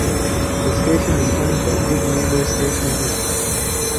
The station is owned by Good Neighbor Station Inc.